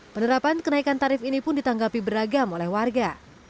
penerapan kenaikan tarif ini pun ditanggapi beragam oleh warga